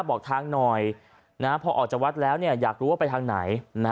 บอกทางหน่อยพอออกจากวัดแล้วอยากรู้ว่าไปทางไหน